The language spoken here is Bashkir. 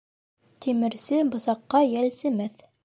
Тимерсе бысаҡҡа йәлсемәҫ.